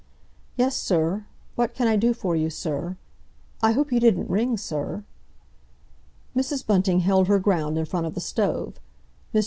"Yes, sir? What can I do for you, sir? I hope you didn't ring, sir?" Mrs. Bunting held her ground in front of the stove. Mr.